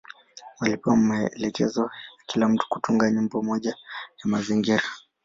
Walipewa maelekezo ya kila mtu kutunga nyimbo moja ya mazingira.